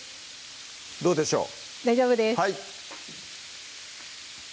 どうでしょう？